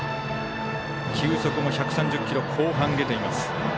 球速も１３０キロ後半が出ています。